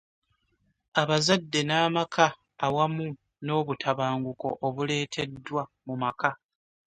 Abazadde n'amaka awamu n'obutabanguko obuleeteddwa mu maka.